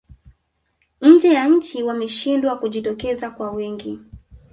nje ya nchi wameshindwa kujitokeza kwa wingi